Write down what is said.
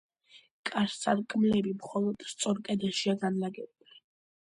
კარ-სარკმლები მხოლოდ სწორ კედელშია განლაგებული.